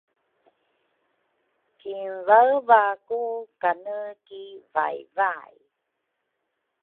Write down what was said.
kinvaevaaku kane ki vaivai.